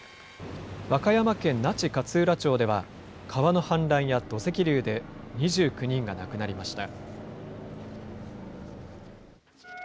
和歌山県那智勝浦町では、川の氾濫や土石流で２９人が亡くなりました。